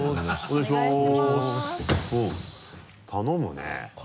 お願いします。